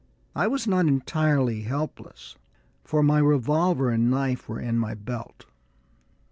I was not entirely helpless, for my revolver and knife were in my belt.